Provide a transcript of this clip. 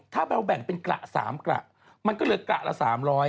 ถ้าเบลแบ่งเป็นกระ๓กระมันก็เหลือกระละ๓๐๐